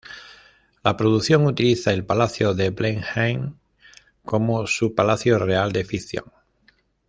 La producción utiliza el Palacio de Blenheim como su palacio real de ficción.